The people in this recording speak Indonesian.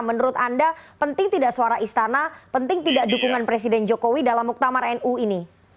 menurut anda penting tidak suara istana penting tidak dukungan presiden jokowi dalam muktamar nu ini